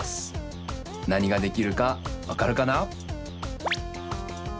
なにができるかわかるかな？